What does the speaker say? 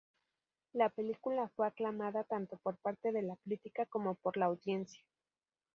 La película fue aclamada tanto por parte de la crítica como por la audiencia.